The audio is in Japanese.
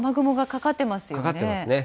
かかってますね。